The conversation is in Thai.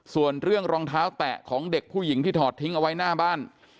ส่วนเรื่องรองเท้าแตะของเด็กผู้หญิงที่ถอดทิ้งเอาไว้หน้าบ้าน